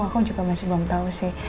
aku juga masih belum tahu sih